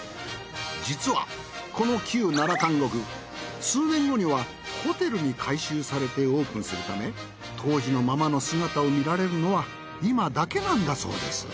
実はこの旧奈良監獄数年後にはホテルに改修されてオープンするため当時のままの姿を見られるのは今だけなんだそうです。